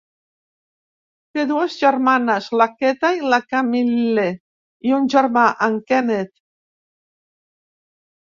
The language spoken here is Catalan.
Té dues germanes, la Keta i la Camillie, i un germà, en Kenneth.